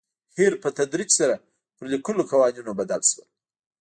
هیر په تدریج سره پر لیکلو قوانینو بدل شول.